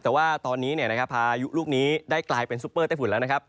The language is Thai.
แต่ว่าตอนนี้พายุลูกนี้ได้กลายเป็นซุปเปอร์ใต้ฝุ่นแล้วนะครับ